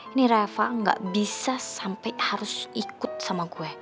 ini rafa gak bisa sampai harus ikut sama gue